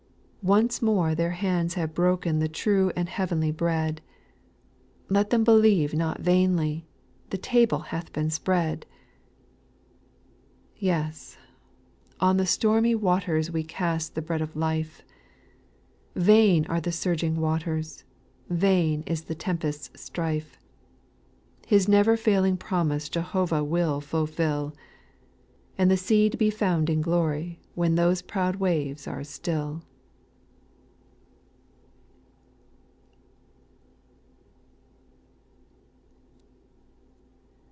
Once more their hands have broken The true and heavenly bread ;— Let them believe not vainly The table hath been spread ! 5. Yes I on the stormy waters "We cast the bread of life, Yain are the surging waters, Vain is the tempest's strife. His never failing promise Jehovah will fulfill, And the seed be found in glory, When those proud waves are still.